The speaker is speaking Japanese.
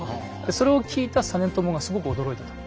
それを聞いた実朝がすごく驚いたと。